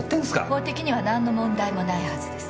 法的にはなんの問題もないはずです。